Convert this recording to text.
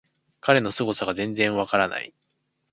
彼のすごさが全然わからない